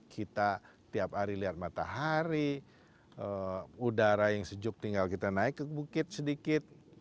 kita tiap hari lihat matahari udara yang sejuk tinggal kita naik ke bukit sedikit